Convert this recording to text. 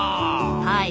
はい。